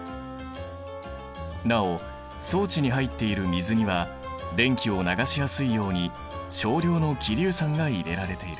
なお装置に入っている水には電気を流しやすいように少量の希硫酸が入れられている。